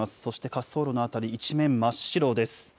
そして滑走路の辺り、一面真っ白です。